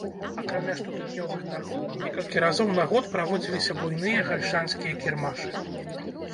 Акрамя штотыднёвых таргоў, некалькі разоў на год праводзіліся буйныя гальшанскія кірмашы.